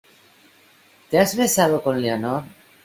¿ te has besado con Leonor?